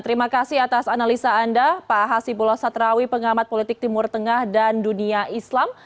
terima kasih atas analisa anda pak hasibulo satrawi pengamat politik timur tengah dan dunia islam